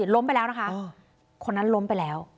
ล้มไปแล้วนะคะคนนั้นล้มไปแล้ว